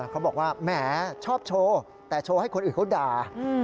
เขาบอกว่าแหมชอบโชว์แต่โชว์ให้คนอื่นเขาด่า